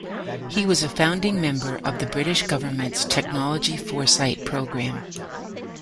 He was a founding member of the British Government's Technology Foresight programme.